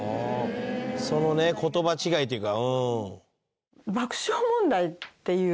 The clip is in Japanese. そのね言葉違いというかうん。